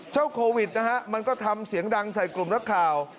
โควิดนะฮะมันก็ทำเสียงดังใส่กลุ่มนักข่าว